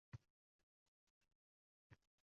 Shu payt yaqinda o‘qigandim.